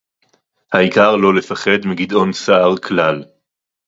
העיקר לא לפחד מגדעון סער כלל